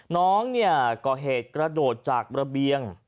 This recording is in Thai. น้องก่อเหตุกระโดดจากระเบียง